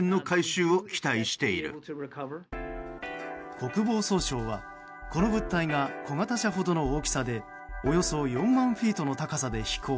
国防総省は、この物体が小型車ほどの大きさでおよそ４万フィートの高さで飛行。